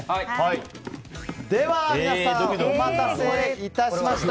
では、皆さんお待たせいたしました。